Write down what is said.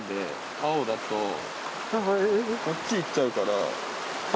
こっち行っちゃうから。